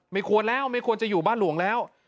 ไม่ควรแล้วไม่ควรจะอยู่บ้านหลวงแล้ว